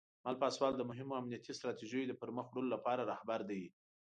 مل پاسوال د مهمو امنیتي ستراتیژیو د پرمخ وړلو لپاره رهبر دی.